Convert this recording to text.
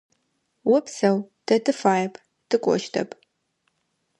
Опсэу, тэ тыфаеп, тыкӏощтэп.